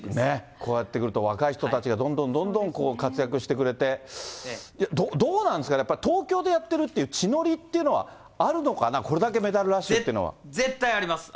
こうやってくると、若い人たちがどんどんどんどん活躍してくれて、どうなんですかね、やっぱり、東京でやってるっていう地の利っていうのは、あるのかな、これだけメダルラッシュというのは。絶対あります。